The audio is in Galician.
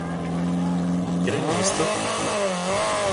Cren nisto?